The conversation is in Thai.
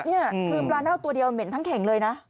นี่คือปลาเน่าตัวเดียวเหม็นทั้งเข่งเลยนะ